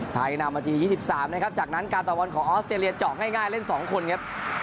นำนาที๒๓นะครับจากนั้นการตะวันของออสเตรเลียเจาะง่ายเล่น๒คนครับ